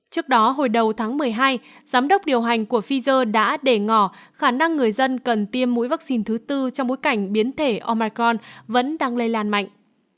trước đó hồi đầu tháng một mươi hai giám đốc điều hành của pfizer đã để ngỏ khả năng người dân cần tiêm mũi vaccine thứ tư trong bối cảnh biến thể omicorn vẫn đang lây lan mạnh